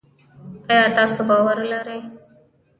آیا تاسو باور لرئ؟